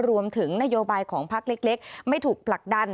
รวมถึงนโยบายของพักเล็กไม่ถูกผลักดัน